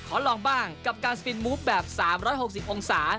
ลองบ้างกับการสปินมูฟแบบ๓๖๐องศา